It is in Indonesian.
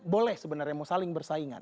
boleh sebenarnya mau saling bersaingan